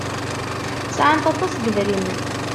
Sɛant aṭas n yedrimen.